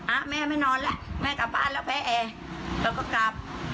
อ่ะแม่ไม่นอนแล้วแม่กลับบ้านแล้วแพ้แอร์แล้วก็กลับ